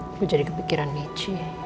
aku jadi kepikiran michi